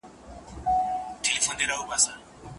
الله تعالی د عدل پرېښوولو له وېرې کومه لار غوره کړې ده؟